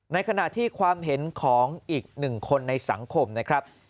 ในขณะที่ความเห็นของอีกหนึ่งคนในสังคมนะครับ